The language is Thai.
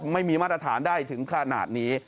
มาตรฐานได้ถึงขนาดนี้